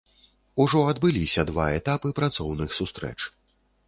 Ужо адбыліся два этапы працоўных сустрэч.